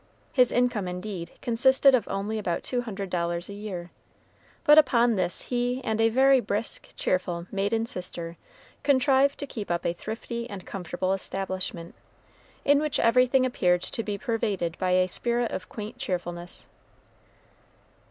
His income, indeed, consisted of only about two hundred dollars a year; but upon this he and a very brisk, cheerful maiden sister contrived to keep up a thrifty and comfortable establishment, in which everything appeared to be pervaded by a spirit of quaint cheerfulness.